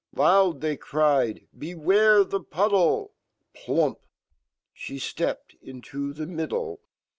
Loud fhey cried "Beware fhe puddle ! Plump! ^heftepped jnt fhe middle